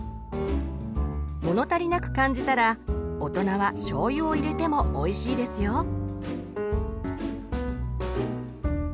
物足りなく感じたら大人はしょうゆを入れてもおいしいですよ。